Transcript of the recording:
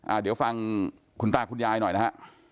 เดี๋ยวฟังคุณตาคุณยายหน่อยนะฮะ